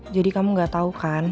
jadi kamu gak tau kan